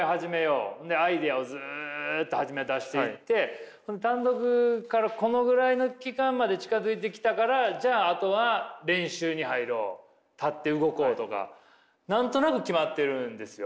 でアイデアをずっと初め出していって単独からこのぐらいの期間まで近づいてきたからじゃああとは練習に入ろう立って動こうとか何となく決まってるんですよ。